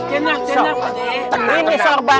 tenang tenang adek